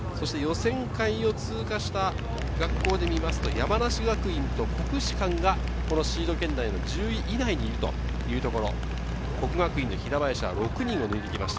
予選会を通過した学校で見ると山梨学院大学と国士舘がシード圏内の１０位以内というところ。